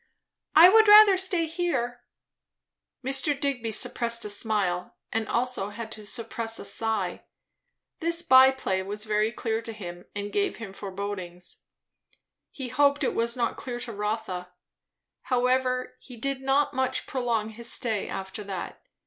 "I would rather stay here." Mr. Digby suppressed a smile, and had also to suppress a sigh. This by play was very clear to him, and gave him forebodings. He hoped it was not clear to Rotha. However, he did not much prolong his stay after that.